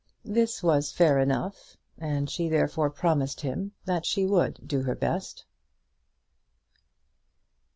This was fair enough, and she therefore promised him that she would do her best.